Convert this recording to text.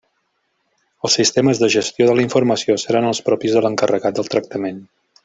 Els sistemes de gestió de la informació seran els propis de l'encarregat del tractament.